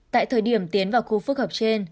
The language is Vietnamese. tại thời điểm tiến vào khu phức hợp trên